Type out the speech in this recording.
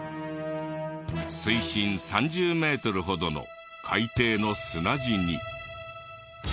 水深３０メートルほどの海底の砂地に。